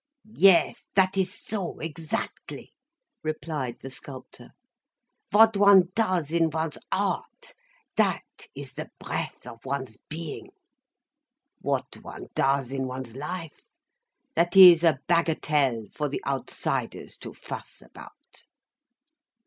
"Yes, that is so, exactly," replied the sculptor. "What one does in one's art, that is the breath of one's being. What one does in one's life, that is a bagatelle for the outsiders to fuss about."